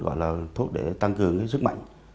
gọi là thuốc để tăng cường sức mạnh